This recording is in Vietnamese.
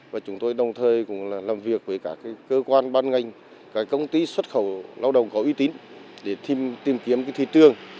và chúng tôi đồng thời cũng làm việc với các cơ quan ban ngành các công ty xuất khẩu lao động có uy tín để tìm kiếm thị trường